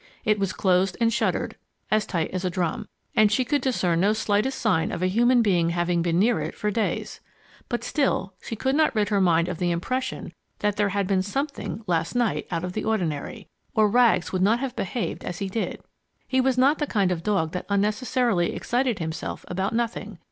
It was closed and shuttered, as tight as a drum, and she could discern no slightest sign of a human being having been near it for days. But still she could not rid her mind of the impression that there had been something last night out of the ordinary, or Rags would not have behaved as he did. He was not the kind of dog that unnecessarily excited himself about nothing.